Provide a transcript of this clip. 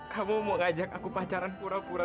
kamu mau ngajak aku pacaran pura pura